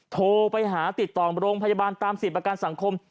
โทรไปหาติดต่อโรงพยาบาลตามสิทธิ์ประกันสังคม